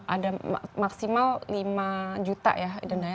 ada maksimal rp lima ya dendanya